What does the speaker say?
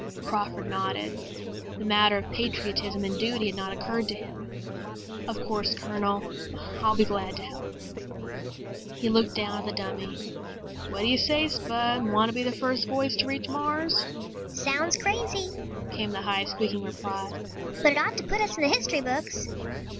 Crawford nodded. The matter of patriotism and duty had not occurred to him. "Of course, Colonel, I'll be glad to help." He looked down at the dummy. "What do you say, Spud? Want to be the first voice to reach Mars?" "Sounds crazy," came the high, squeaking reply. "But it ought to put us in the history books."